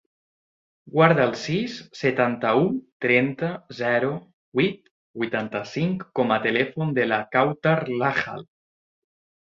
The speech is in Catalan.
Guarda el sis, setanta-u, trenta, zero, vuit, vuitanta-cinc com a telèfon de la Kawtar Lakhal.